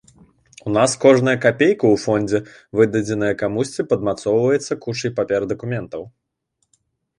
У нас кожная капейка ў фондзе, выдадзеная камусьці, падмацоўваецца кучай папер-дакументаў.